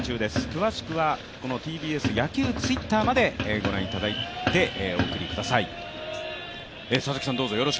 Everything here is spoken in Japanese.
詳しくはＴＢＳ野球Ｔｗｉｔｔｅｒまで御覧いただいてお送りください。